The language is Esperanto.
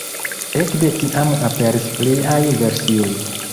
Ekde tiam aperis pliaj versioj.